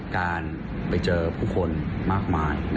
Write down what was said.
การไปเจอผู้คนมากมาย